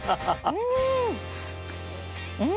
うん！